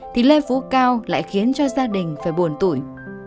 thì lê phú cao lại khiến cho gia đình phải buồn tủi